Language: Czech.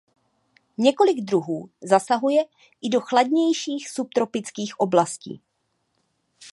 Několik druhů zasahuje i do chladnějších subtropických oblastí.